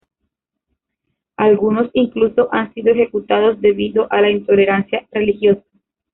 Algunos incluso han sido ejecutados debido a la intolerancia religiosa.